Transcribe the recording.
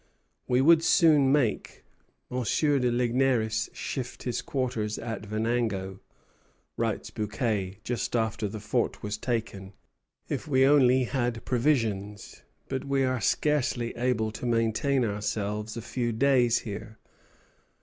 "We would soon make M. de Ligneris shift his quarters at Venango," writes Bouquet just after the fort was taken, "if we only had provisions; but we are scarcely able to maintain ourselves a few days here.